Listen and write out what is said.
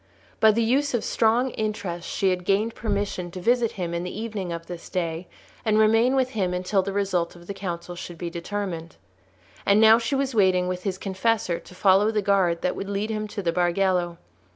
By the use of strong interest she had gained permission to visit him in the evening of this day, and remain with him until the result of the council should be determined. And now she was waiting with his confessor to follow the guard that would lead him to the Bargello.